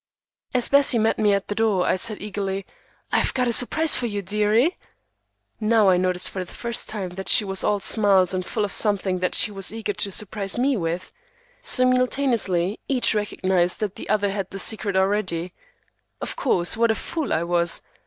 As Bessie met me at the door I said eagerly, "I've got a surprise for you, deary." Now I noticed for the first time that she was all smiles and full of something that she was eager to surprise me with. Simultaneously each recognized that the other had the secret already. Of course; what a fool I was!